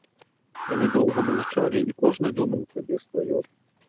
Яны доўга маўчалі, і кожны думаў сабе сваё.